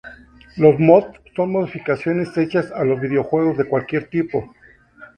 Los "mods" son "modificaciones" hechas a los videojuegos de cualquier tipo.